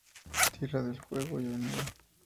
Tierra del Fuego y Av.